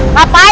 aku adil pakto